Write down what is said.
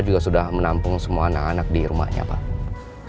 juga sudah menampung semua anak anak di rumahnya pak